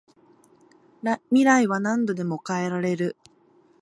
未来は何度でも変えられる